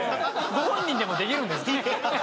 ご本人でもできるんですね。